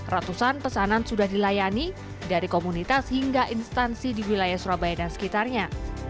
ratusan pesanan sudah dilayani dari komunitas hingga instansi di wilayah surabaya dan sekitarnya